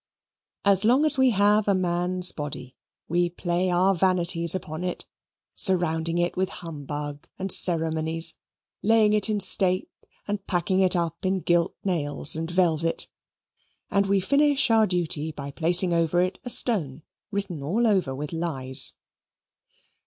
As long as we have a man's body, we play our Vanities upon it, surrounding it with humbug and ceremonies, laying it in state, and packing it up in gilt nails and velvet; and we finish our duty by placing over it a stone, written all over with lies.